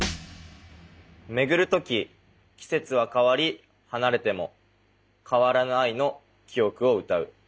「巡る時季節は変わり離れても変わらぬ愛の記憶をうたう」。